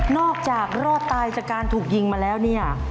อกจากรอดตายจากการถูกยิงมาแล้วเนี่ย